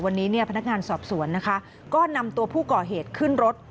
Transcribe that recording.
วันนี้พนักงานสอบสวนก็นำตัวผู้ก่อเหตุขึ้นรถ